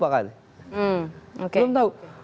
pak gati belum tahu